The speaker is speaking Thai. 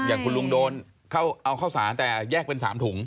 อย่างคุณลุงโดนเอาข้าวสารแต่แยกเป็น๓ถุง